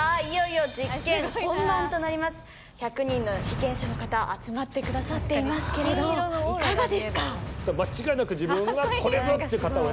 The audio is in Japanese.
いよいよ実験本番となります１００人の被験者の方集まってくださっていますけれどいかがですか？